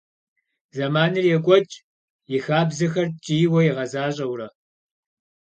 Зэманыр йокӏуэкӏ, и хабзэхэр ткӏийуэ игъэзащӏэурэ.